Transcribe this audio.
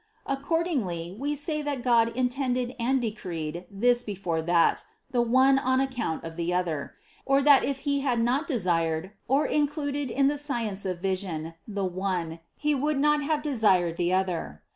Accordingly we say that God intended and decreed this before that, the one on account of the other; and that if He had not desired or included in the science of vision the one, He would not have desired the other.